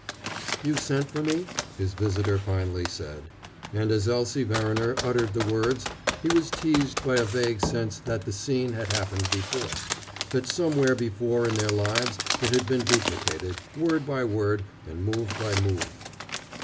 "You sent for me?" his visitor finally said. And as Elsie Verriner uttered the words he was teased by a vague sense that the scene had happened before, that somewhere before in their lives it had been duplicated, word by word and move by move.